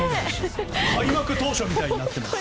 開幕当初みたいになっています。